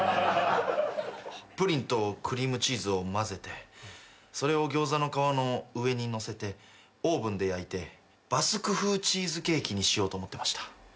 プリンとクリームチーズを混ぜてそれを餃子の皮の上にのせてオーブンで焼いてバスク風チーズケーキにしようと思ってました。